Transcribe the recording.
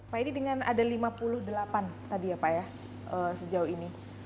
pak ini dengan ada lima puluh delapan tadi ya pak ya sejauh ini